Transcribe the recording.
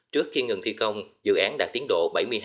trước khi ngừng thi công dự án đạt tiến độ bảy mươi hai